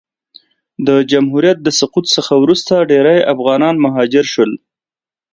د جمهوریت د سقوط څخه وروسته ډېری افغانان مهاجر سول.